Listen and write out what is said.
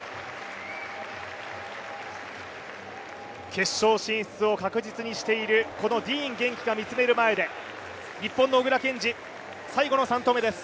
決勝進出を確実にしているディーン元気が見つめる前で日本の小椋健司、最後の３投目です。